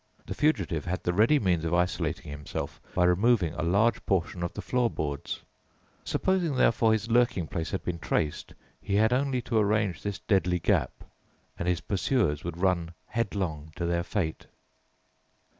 The fugitive had the ready means of isolating himself by removing a large portion of the floor boards; supposing, therefore, his lurking place had been traced, he had only to arrange this deadly gap, and his pursuers would run headlong to their fate.